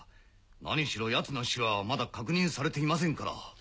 何しろ奴の死はまだ確認されていませんから。